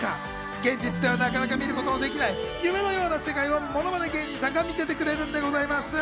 現実ではなかなか見ることのできない夢のような世界をものまね芸人さんが見せてくれるんでございます。